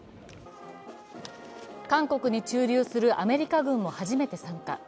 韓国に駐留するアメリカ軍も初めて参加。